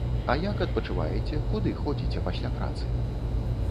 А як адпачываеце, куды ходзіце пасля працы?